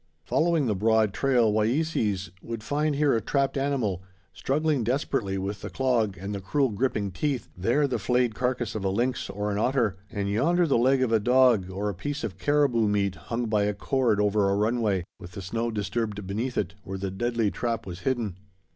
Following the broad trail Wayeeses would find here a trapped animal, struggling desperately with the clog and the cruel gripping teeth, there the flayed carcass of a lynx or an otter, and yonder the leg of a dog or a piece of caribou meat hung by a cord over a runway, with the snow disturbed beneath it where the deadly trap was hidden.